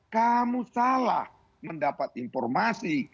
kamu salah mendapat informasi